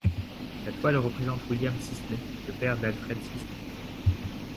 La toile représente William Sisley, le père d'Alfred Sisley.